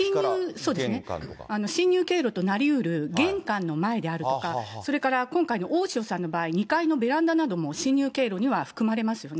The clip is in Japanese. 侵入経路となりうる玄関の前であるとか、それから今回の大塩さんの場合、２階のベランダなども侵入経路には含まれますよね。